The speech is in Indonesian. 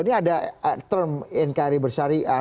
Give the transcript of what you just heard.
ini ada term nkri bersyariah